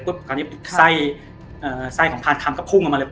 คราวนี้ไส้ของพานคำก็พุ่งออกมาเลย